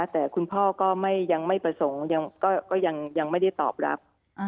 แต่คุณพ่อก็ยังไม่ประสงค์ก็ยังไม่ได้ตอบรับ